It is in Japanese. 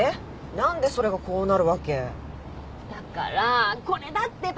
何でそれがこうなるわけ？だからこれだってば！